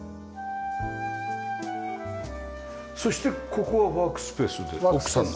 そしてここはワークスペースで奥さんの？